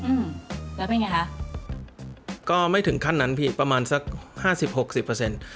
อืมแล้วเป็นไงคะก็ไม่ถึงขั้นนั้นพี่ประมาณสักห้าสิบหกสิบเปอร์เซ็นต์